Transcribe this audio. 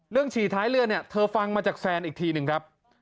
ฉี่ท้ายเรือเนี่ยเธอฟังมาจากแซนอีกทีหนึ่งครับ